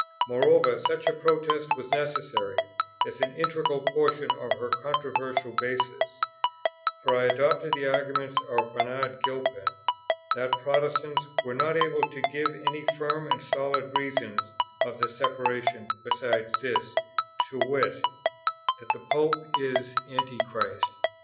Moreover, such a protest was necessary as an integral portion of her controversial basis; for I adopted the argument of Bernard Gilpin, that Protestants "were not able to give any firm and solid reason of the separation besides this, to wit, that the Pope is Antichrist."